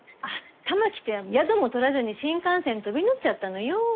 頭きて宿も取らずに新幹線に飛び乗っちゃったのよ。